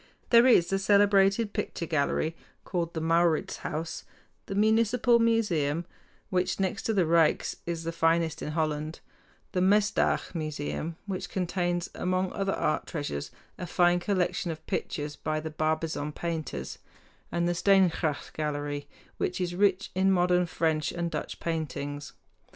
There is the celebrated picture gallery called the Mauritshuis, the Municipal Museum which, next to the Ryks, is the finest in Holland, the Mesdag Museum, which contains among other art treasures a fine collection of pictures by the Barbizon painters, and the Steengracht Gallery, which is rich in modern French and Dutch paintings.